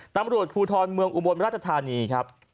ตำรวจภูทรเมืองอุบลราชธานีครับ